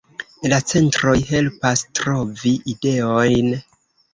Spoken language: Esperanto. La centroj helpas trovi ideojn.